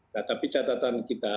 nah tapi catatan kita